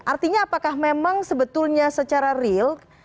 artinya apakah memang sebetulnya secara real